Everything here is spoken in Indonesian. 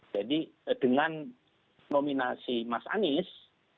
jadi dengan nominasi mas anies